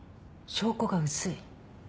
証拠が薄い。